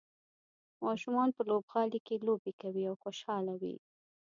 ماشومان په لوبغالي کې لوبې کوي او خوشحاله وي.